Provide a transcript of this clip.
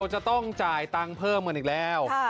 จะต้องจ่ายตังค์เพิ่มกันอีกแล้ว